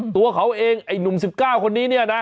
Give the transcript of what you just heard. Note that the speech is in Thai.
ตัวเขาเองไอ้หนุ่ม๑๙คนนี้เนี่ยนะ